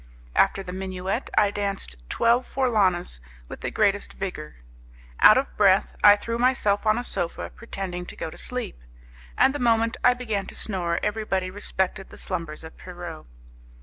After the minuet I danced twelve forlanas with the greatest vigour. Out of breath, I threw myself on a sofa, pretending to go to sleep, and the moment I began to snore everybody respected the slumbers of Pierrot.